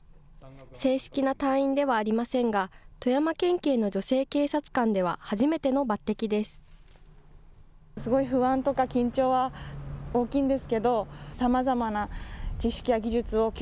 正式な隊員ではありませんが、富山県警の女性警察官では初めての抜てきです。